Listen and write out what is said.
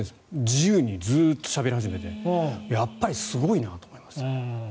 自由にずっとしゃべり始めてやっぱりすごいなと思いましたね。